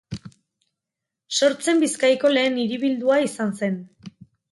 Sortzen Bizkaiko lehen hiribildua izan zen.